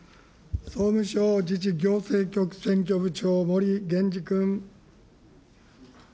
総務省時事行政局選挙部長、森源二君。